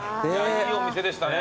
いいお店でしたね。